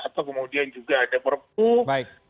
atau kemudian juga ada perpu